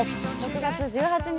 ６月１８日